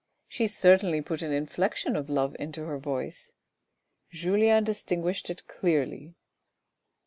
She certainly put an inflection of love into her voice. Julien distinguished it clearly.